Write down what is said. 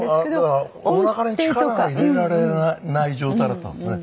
だからおなかに力が入れられない状態だったんですね。